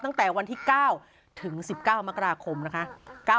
ตั้งแต่วันที่๙ถึง๑๙มกราคมนะคะ